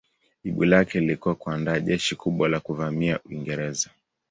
Jibu lake lilikuwa kuandaa jeshi kubwa la kuvamia Uingereza.